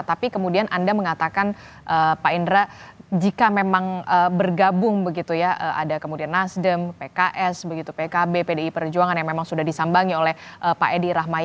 tapi kemudian anda mengatakan pak indra jika memang bergabung begitu ya ada kemudian nasdem pks pkb pdi perjuangan yang memang sudah disambangi oleh pak edi rahmayadi